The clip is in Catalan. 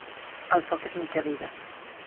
El foc és mitja vida.